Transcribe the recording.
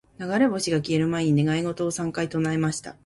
•流れ星が消える前に、願い事を三回唱えました。